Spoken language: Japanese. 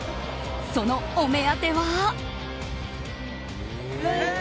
そのお目当ては。